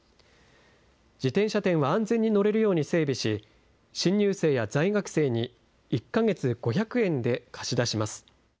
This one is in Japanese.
自転車店は安全に乗れるように整備し、新入生や在学生に、１か月５００円で貸し出します。